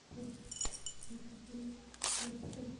আমরা সবাই মারা পড়ব!